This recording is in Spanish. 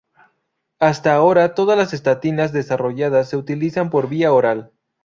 Hasta ahora todas las estatinas desarrolladas se utilizan por vía oral.